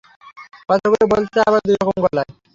কথাগুলো বলছে আবার দুই রকম গলায়।